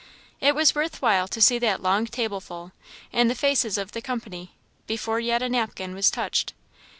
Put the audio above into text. It was worth while to see that long tableful, and the faces of the company, before yet a napkin was touched.